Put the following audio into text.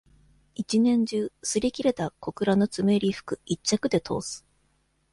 一年中、擦り切れた、小倉の詰めえり服、一着でとおす。